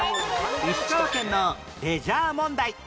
石川県のレジャー問題